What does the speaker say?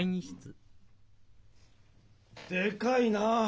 でかいなあ。